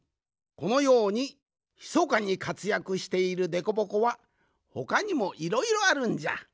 このようにひそかにかつやくしているでこぼこはほかにもいろいろあるんじゃ。